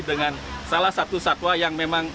dengan salah satu satwa yang memang